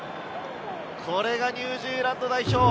これがニュージーランド代表。